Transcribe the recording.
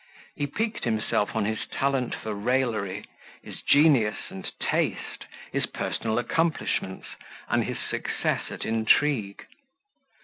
He piqued himself on his talent for raillery, his genius and taste, his personal accomplishments, and his success at intrigue.